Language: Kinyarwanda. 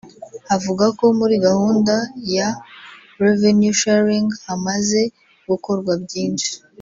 avuga ko muri gahunda ya ‘Revenue sharing’ hamaze gukorwa byinshi